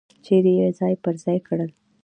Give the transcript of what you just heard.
چیرې یې ځای پر ځای کړل.